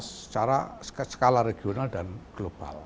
secara skala regional dan global